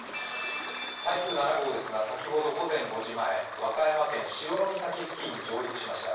台風７号ですが先ほど午前５時前、和歌山県潮岬付近に上陸しました。